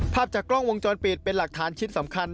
ภาพจากกล้องวงจรปิดเป็นหลักฐานชิ้นสำคัญ